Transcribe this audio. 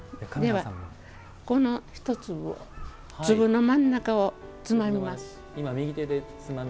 この１粒を、粒の真ん中をつまみます。